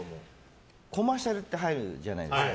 コマーシャルって入るじゃないですか。